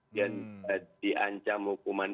dan diancam hukuman